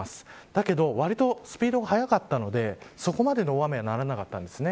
だけどわりとスピードが速かったのでそこまでの大雨にはならなかったんです。